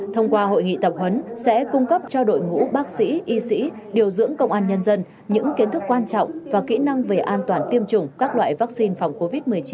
thông qua hội nghị tập huấn sẽ cung cấp cho đội ngũ bác sĩ y sĩ điều dưỡng công an nhân dân những kiến thức quan trọng và kỹ năng về an toàn tiêm chủng các loại vaccine phòng covid một mươi chín